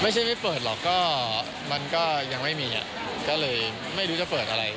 ไม่ใช่ไม่เปิดหรอกก็มันก็ยังไม่มีก็เลยไม่รู้จะเปิดอะไร